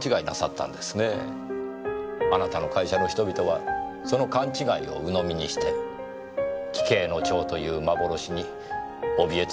あなたの会社の人々はその勘違いを鵜呑みにして奇形の蝶という幻に怯え続けていたんですよ。